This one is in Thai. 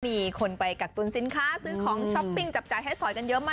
มีคนไปกักตุนสินค้าซื้อของช้อปปิ้งจับจ่ายให้สอยกันเยอะมาก